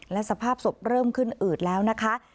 และสภาพศพเริ่มขึ้นอืดแล้วนะคะ